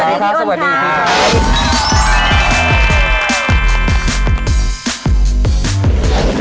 สวัสดีครับสวัสดีครับ